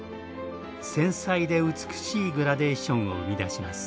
繊細で美しいグラデーションを生み出します。